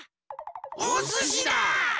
おすしだ！